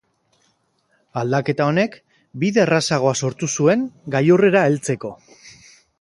Aldaketa honek bide errazagoa sortu zuen gailurrera heltzeko.